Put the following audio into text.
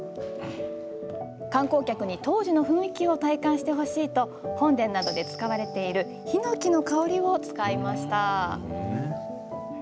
観光客に当時の雰囲気を体感してほしいと本殿などで使われているヒノキの香りを使いました。